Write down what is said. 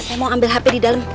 saya mau ambil hp di dalam